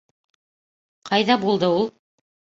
Ҡайҙа булды ул?